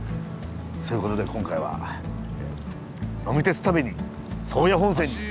そういうことで今回は呑み鉄旅に宗谷本線に乾杯！